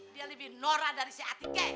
dia lebih norak dari si atikey